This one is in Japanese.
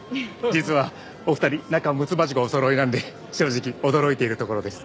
実はお二人仲むつまじくおそろいなんで正直驚いているところです。